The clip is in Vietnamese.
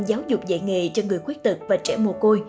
giáo dục dạy nghề cho người khuyết tực và trẻ mùa côi